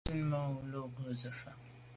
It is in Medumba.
Mba zit manwù lo ghù se fà’.